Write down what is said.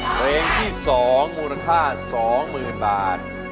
เพลงที่สองมูลค่าสองหมื่นบาท